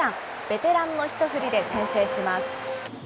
ベテランの一振りで先制します。